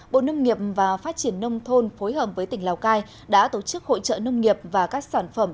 bộ nông nghiệp và phát triển nông thôn phối hợp với tỉnh lào cai đã tổ chức hội trợ nông nghiệp và các sản phẩm